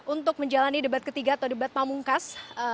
untuk menjalani debat ketiga atau debat pamungkas